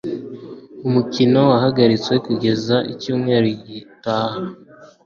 Umukino wahagaritswe kugeza icyumweru gitaha.